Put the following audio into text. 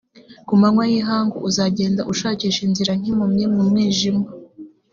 ku manywa y’ihangu, uzagenda ushakisha inzira nk’impumyi mu mwijima,